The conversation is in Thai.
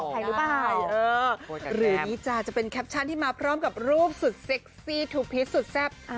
หรือรือนี่จะเป็นแคปชั่นที่มาพร้อมกับรูปสุดเซ็กซีที่สุดแซ่บ